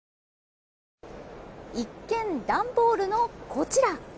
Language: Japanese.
一見、段ボールのこちら。